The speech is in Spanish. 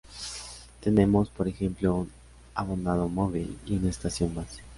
Tomemos, por ejemplo, un abonado móvil y una estación base.